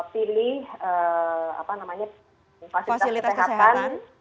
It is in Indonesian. pilih fasilitas kesehatan